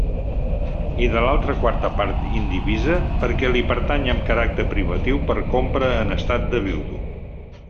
I de l'altra quarta part indivisa, perquè li pertany amb caràcter privatiu per compra en estat de viudo.